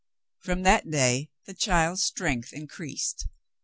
From that day the child's strength increased.